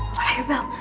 ok yuk bel